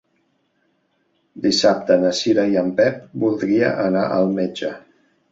Dissabte na Cira i en Pep voldria anar al metge.